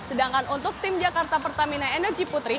sedangkan untuk tim jakarta pertamina energy putri